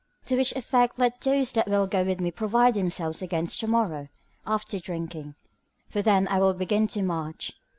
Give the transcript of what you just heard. To which effect let those that will go with me provide themselves against to morrow after drinking, for then will I begin to march.